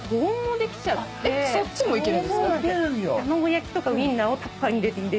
そっちもいけるんですか？